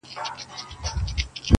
يې ياره شرموه مي مه ته هرڅه لرې ياره_